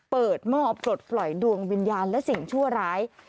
เปิดหม้อปลดปล่อยดวงวิญญาณและสิ่งชั่วร้าย